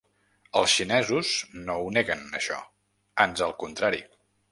Els xinesos no ho neguen, això, ans al contrari.